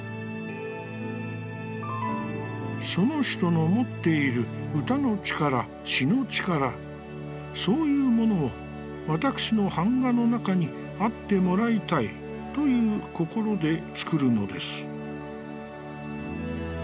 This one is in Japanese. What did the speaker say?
「その人のもっている歌の力、詩の力、そういうものを、わたくしの板画の中にあってもらいたい、という心でつくるのです」。